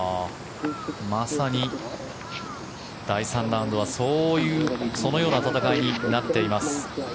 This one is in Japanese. まさに第３ラウンドはそのような戦いになっています。